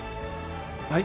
はい？